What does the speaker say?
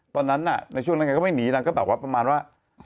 ตอนนั้นในช่วงนั้นก็ไม่หนีนางก็ประมาณว่า